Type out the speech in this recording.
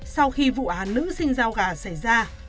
sau khi vụ án nữ sinh giao gà xảy ra